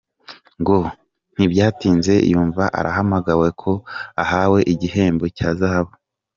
Ngo ntibyatinze yumva arahamagawe ko ahawe igihembo cya Zahabu.